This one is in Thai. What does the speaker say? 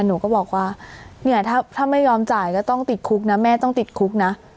หนูก็บอกว่าเนี่ยถ้าไม่ยอมจ่ายก็ต้องติดคุกนะแม่ต้องติดคุกนะ